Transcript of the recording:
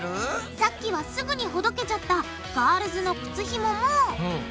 さっきはすぐにほどけちゃったガールズの靴ひももうん。